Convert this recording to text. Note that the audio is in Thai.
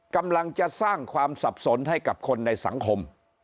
กำลังจะสร้างความสับสนให้กับคนในสังคม